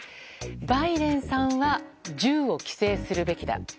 バイデンさんは銃を規制するべきだ